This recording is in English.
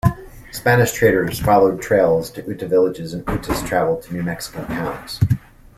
Spanish traders followed trails to Ute villages and Utes traveled to New Mexican towns.